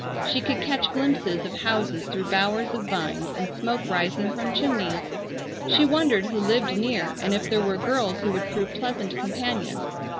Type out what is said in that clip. She could catch glimpses of houses through bowers of vines, and smoke rising from chimneys. She wondered who lived near, and if there were girls who would prove pleasant companions.